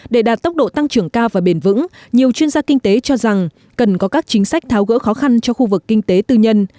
để đạt tốc độ tăng trưởng cao và bền vững nhiều chuyên gia kinh tế cho rằng cần có các chính sách tháo gỡ khó khăn cho khu vực kinh tế tư nhân